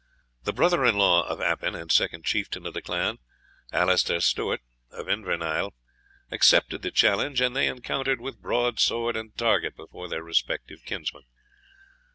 The brother in law of Appin, and second chieftain of the clan, Alaster Stewart of Invernahyle, accepted the challenge, and they encountered with broadsword and target before their respective kinsmen.